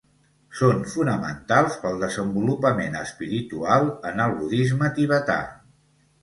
Són fonamentals pel desenvolupament espiritual en el budisme tibetà.